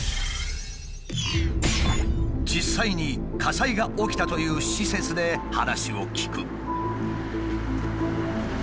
実際に火災が起きたという施設で話を聞く。